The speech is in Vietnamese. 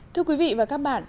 thưa quý vị và các bạn